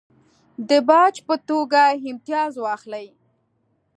د باج په توګه امتیاز واخلي.